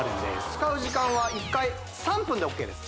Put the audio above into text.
使う時間は１回３分でＯＫです